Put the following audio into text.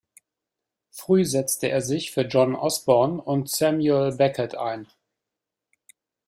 Früh setzte er sich für John Osborne und Samuel Beckett ein.